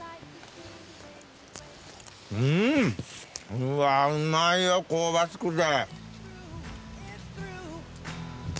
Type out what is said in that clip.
うわうまいよ香ばしくて。